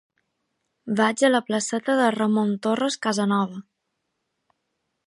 Vaig a la placeta de Ramon Torres Casanova.